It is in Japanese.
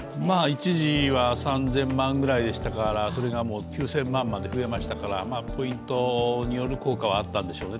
一時は３０００万くらいでしたから、それが９０００万まで増えましたからポイントによる効果はあったんでしょうね。